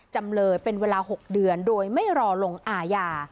จำเลยเป็นเวลา๖เดือนโดยไม่รอลงอาญา